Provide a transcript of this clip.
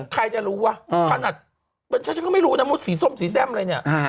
ใครจะรู้วะขนาดฉันฉันก็ไม่รู้นะมดสีส้มสีแซ่มอะไรเนี่ย